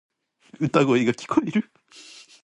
歌声が聞こえる。